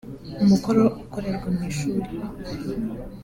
Umukoro ukorerwa mu ishuri